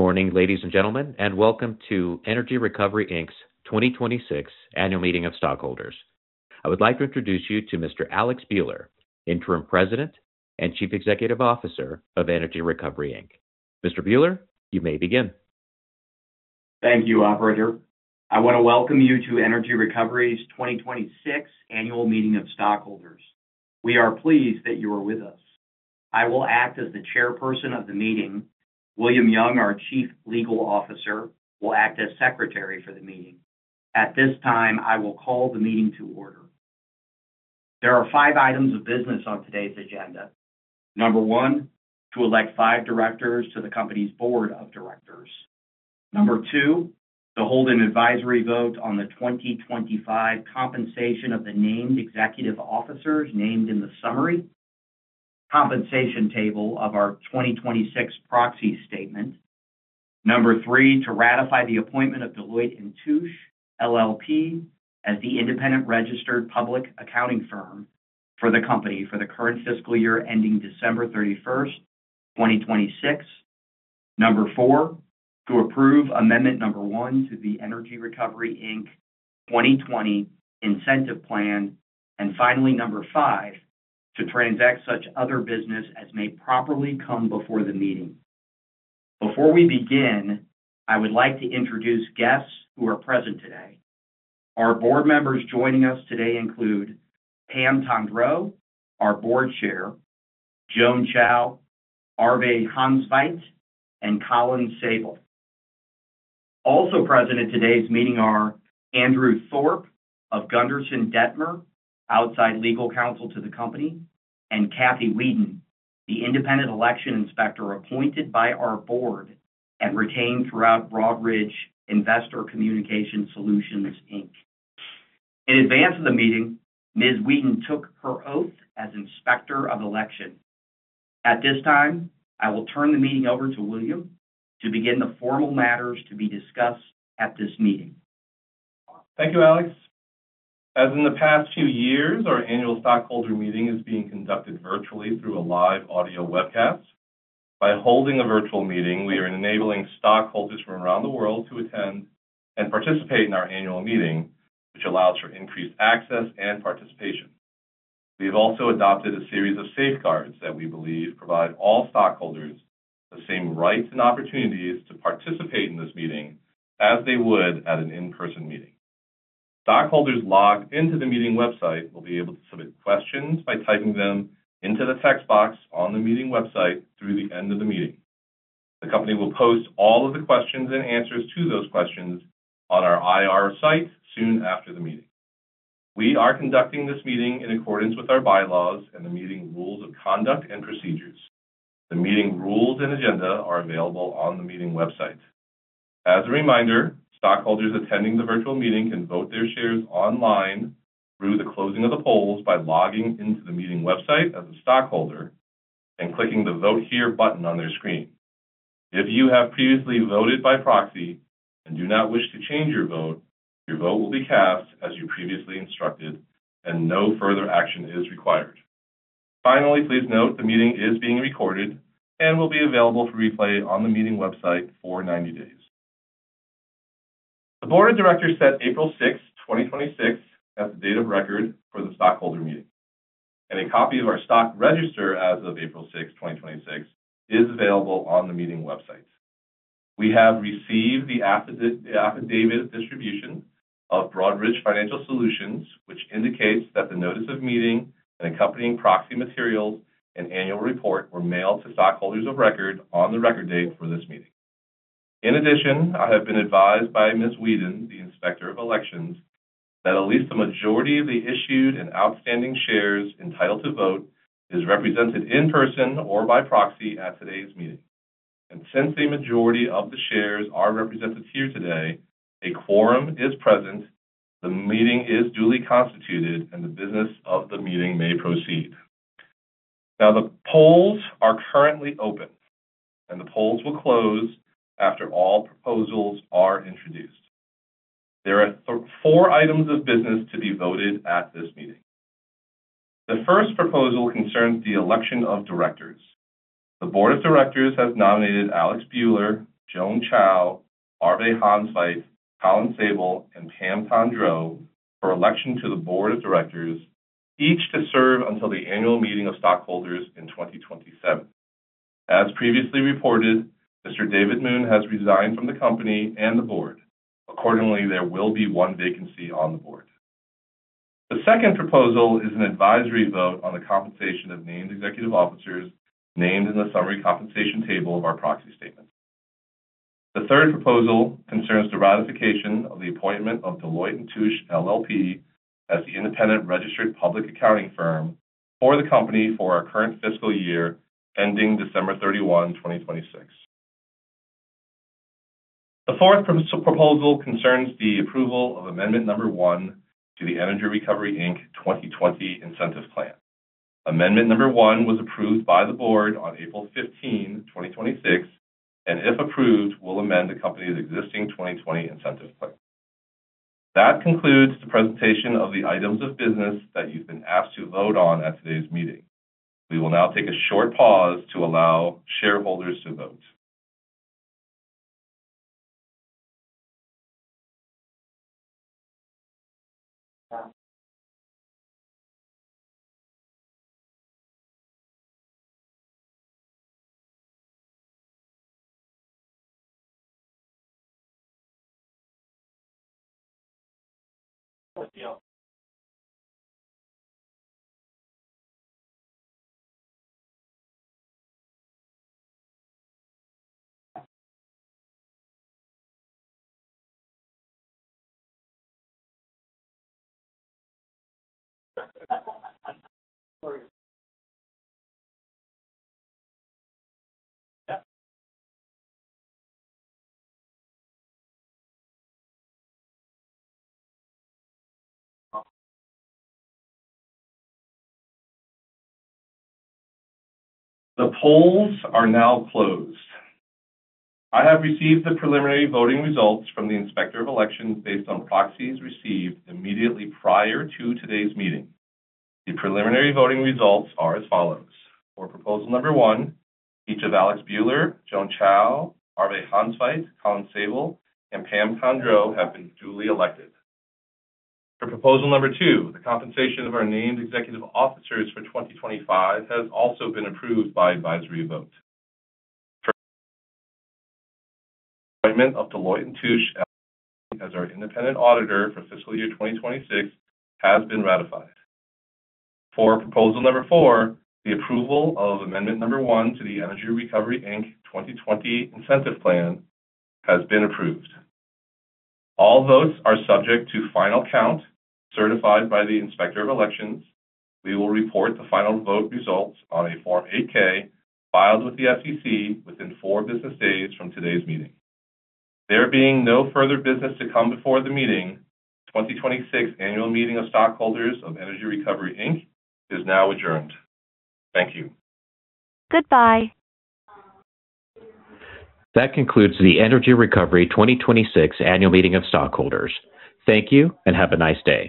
Good morning, ladies and gentlemen, and welcome to Energy Recovery, Inc.'s 2026 annual meeting of stockholders. I would like to introduce you to Mr. Alex Buehler, Interim President and Chief Executive Officer of Energy Recovery, Inc. Mr. Buehler, you may begin. Thank you, operator. I want to welcome you to Energy Recovery's 2026 annual meeting of stockholders. We are pleased that you are with us. I will act as the chairperson of the meeting. William Yeung, our Chief Legal Officer, will act as secretary for the meeting. At this time, I will call the meeting to order. There are five items of business on today's agenda. Number one, to elect five directors to the company's board of directors. Number two, to hold an advisory vote on the 2025 compensation of the named executive officers named in the summary compensation table of our 2026 proxy statement. Number three, to ratify the appointment of Deloitte & Touche LLP as the independent registered public accounting firm for the company for the current fiscal year ending December 31st, 2026. Number four, to approve amendment number one to the Energy Recovery, Inc. 2020 Incentive Plan. Finally, number five, to transact such other business as may properly come before the meeting. Before we begin, I would like to introduce guests who are present today. Our board members joining us today include Pam Tondreau, our board chair, Joan Chow, Arve Hanstveit, and Colin Sabol. Also present at today's meeting are Andrew Thorpe of Gunderson Dettmer, outside legal counsel to the company, and Kathy Weeden, the independent election inspector appointed by our board and retained throughout Broadridge Investor Communication Solutions, Inc. In advance of the meeting, Ms. Weeden took her oath as inspector of election. At this time, I will turn the meeting over to William to begin the formal matters to be discussed at this meeting. Thank you, Alex. As in the past few years, our annual stockholder meeting is being conducted virtually through a live audio webcast. By holding a virtual meeting, we are enabling stockholders from around the world to attend and participate in our annual meeting, which allows for increased access and participation. We have also adopted a series of safeguards that we believe provide all stockholders the same rights and opportunities to participate in this meeting as they would at an in-person meeting. Stockholders logged into the meeting website will be able to submit questions by typing them into the text box on the meeting website through the end of the meeting. The company will post all of the questions and answers to those questions on our IR site soon after the meeting. We are conducting this meeting in accordance with our bylaws and the meeting rules of conduct and procedures. The meeting rules and agenda are available on the meeting website. As a reminder, stockholders attending the virtual meeting can vote their shares online through the closing of the polls by logging into the meeting website as a stockholder and clicking the Vote Here button on their screen. If you have previously voted by proxy and do not wish to change your vote, your vote will be cast as you previously instructed, and no further action is required. Finally, please note the meeting is being recorded and will be available for replay on the meeting website for 90 days. The board of directors set April 6th, 2026, as the date of record for the stockholder meeting. A copy of our stock register as of April 6th, 2026, is available on the meeting website. We have received the affidavit distribution of Broadridge Financial Solutions, which indicates that the notice of meeting and accompanying proxy materials and annual report were mailed to stockholders of record on the record date for this meeting. In addition, I have been advised by Ms. Weeden, the Inspector of Elections, that at least the majority of the issued and outstanding shares entitled to vote is represented in person or by proxy at today's meeting. Since a majority of the shares are represented here today, a quorum is present, the meeting is duly constituted, and the business of the meeting may proceed. Now, the polls are currently open, and the polls will close after all proposals are introduced. There are four items of business to be voted at this meeting. The first proposal concerns the election of directors. The board of directors has nominated Alex Buehler, Joan Chow, Arve Hanstveit, Colin Sabol, and Pam Tondreau for election to the board of directors, each to serve until the annual meeting of stockholders in 2027. As previously reported, Mr. David Moon has resigned from the company and the board. Accordingly, there will be one vacancy on the board. The second proposal is an advisory vote on the compensation of named executive officers named in the summary compensation table of our proxy statement. The third proposal concerns the ratification of the appointment of Deloitte & Touche LLP as the independent registered public accounting firm for the company for our current fiscal year ending December 31, 2026. The fourth proposal concerns the approval of amendment number one to the Energy Recovery, Inc. 2020 Incentive Plan. Amendment number one was approved by the board on April 15, 2026, and if approved, will amend the company's existing 2020 Incentive Plan. That concludes the presentation of the items of business that you've been asked to vote on at today's meeting. We will now take a short pause to allow shareholders to vote. The polls are now closed. I have received the preliminary voting results from the Inspector of Elections based on proxies received immediately prior to today's meeting. The preliminary voting results are as follows. For proposal number one, each of Alex Buehler, Joan Chow, Arve Hanstveit, Colin Sabol, and Pam Tondreau have been duly elected. For proposal number two, the compensation of our named executive officers for 2025 has also been approved by advisory vote. For appointment of Deloitte & Touche as our independent auditor for fiscal year 2026 has been ratified. For proposal number 4, the approval of amendment number 1 to the Energy Recovery, Inc. 2020 Incentive Plan has been approved. All votes are subject to final count certified by the Inspector of Elections. We will report the final vote results on a Form 8-K filed with the SEC within four business days from today's meeting. There being no further business to come before the meeting, the 2026 annual meeting of stockholders of Energy Recovery, Inc. is now adjourned. Thank you. Goodbye. That concludes the Energy Recovery 2026 annual meeting of stockholders. Thank you, and have a nice day.